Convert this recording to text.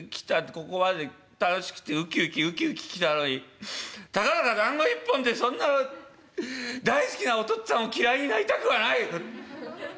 ここまで楽しくてウキウキウキウキ来たのにたかだかだんご１本でそんな大好きなお父っつぁんを嫌いになりたくはない！